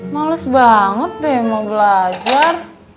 males banget tuh yang mau belajar